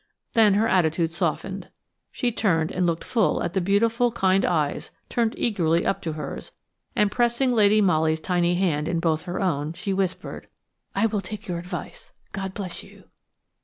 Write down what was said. Then her attitude softened; she turned and looked full at the beautiful, kind eyes turned eagerly up to hers, and pressing Lady Molly's tiny hand in both her own she whispered: "I will take your advice. God bless you."